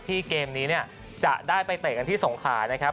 เกมนี้เนี่ยจะได้ไปเตะกันที่สงขานะครับ